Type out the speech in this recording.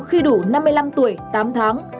khi đủ năm mươi năm tuổi tám tháng